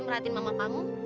merahatin mama kamu